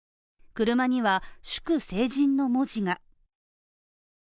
車には祝成人の文字が。